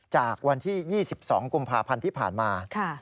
จากวันที่๒๒กุมภาพันธ์ที่ผ่านมา